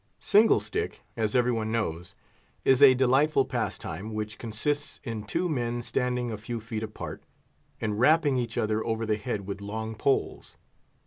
Single stick, as every one knows, is a delightful pastime, which consists in two men standing a few feet apart, and rapping each other over the head with long poles.